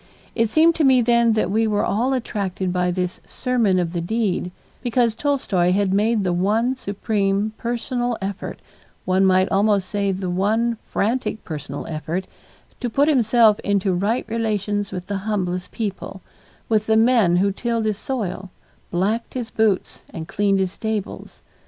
It seemed to me then that we were all attracted by this sermon of the deed, because Tolstoy had made the one supreme personal effort, one might almost say the one frantic personal effort, to put himself into right relations with the humblest people, with the men who tilled his soil, blacked his boots, and cleaned his stables.